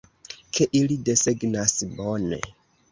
Ke ili desegnas, bone.